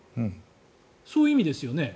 そういう意味ですよね？